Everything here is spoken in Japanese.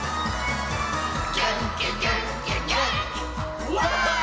「げんきげんきげんきわー！」